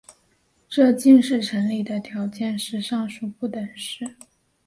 这近似成立的条件是上述不等式。